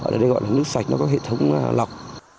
ở đây gọi là nước sạch nó có hệ thống lọc